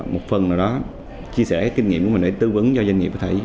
một phần nào đó chia sẻ kinh nghiệm của mình để tư vấn cho doanh nghiệp